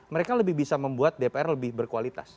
mereka lebih bisa membuat dpr lebih berkualitas